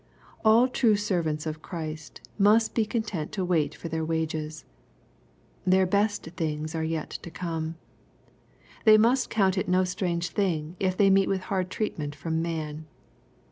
All true servants of Christ must be content to wait for their wages. Their best things are yet to come. They must count it no strange thing, if they meet with hard treatment from man.